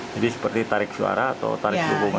jadi seperti tarik suara atau tarik hubungan